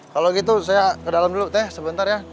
kalau gitu saya ke dalam dulu teh sebentar ya